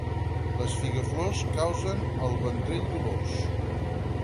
Les figues flors, causen al ventrell dolors.